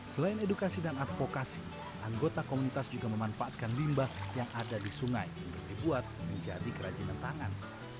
selain edukasi dan advokasi anggota komunitas juga memanfaatkan limbah yang ada di sungai untuk dibuat menjadi kerajinan tangan